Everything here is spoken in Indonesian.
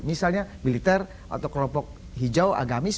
misalnya militer atau kelompok hijau agamis